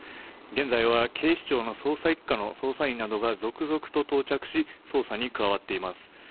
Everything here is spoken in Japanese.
現在は警視庁の捜査１課の捜査員などが続々と到着し捜査に加わっています。